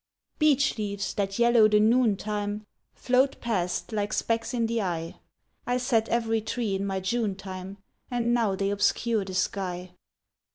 Beech leaves, that yellow the noon time, Float past like specks in the eye; I set every tree in my June time, And now they obscure the sky.